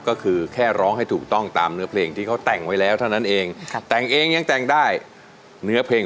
ก็คือแค่ร้องให้ถูกต้องตามเนื้อเพลงที่เขาแต่งไว้แล้วเท่านั้นเอง